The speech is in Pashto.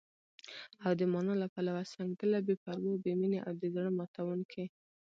او د مانا له پلوه، سنګدله، بې پروا، بې مينې او د زړه ماتوونکې